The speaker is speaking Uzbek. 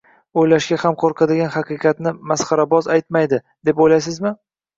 o’ylashga ham qo’rqadigan haqiqatni masxaraboz aytmaydi, deb o’ylaysizmi?